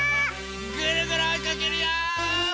ぐるぐるおいかけるよ！